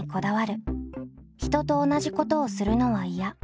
人と同じことをするのはいや。